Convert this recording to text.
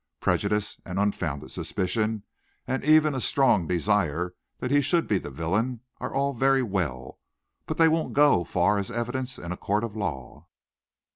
Prejudice and unfounded suspicion and even a strong desire that he should be the villain, are all very well. But they won't go far as evidence in a court of law."